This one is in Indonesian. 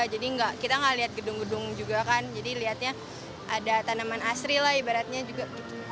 jadi kita nggak lihat gedung gedung juga kan jadi lihatnya ada tanaman asri lah ibaratnya juga